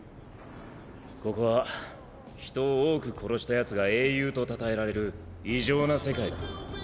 ここは人を多く殺したヤツが英雄とたたえられる異常な世界だ。